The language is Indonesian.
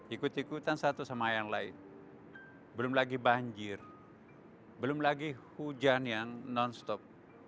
ikut ikutan satu sama yang lain belum lagi banjir belum lagi hujan yang non stop